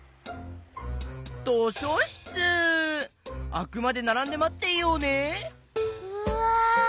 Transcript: あくまでならんでまっていようねうわ